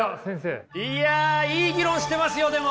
いやいい議論してますよでも。